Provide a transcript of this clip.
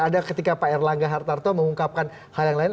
ada ketika pak erlangga hartarto mengungkapkan hal yang lain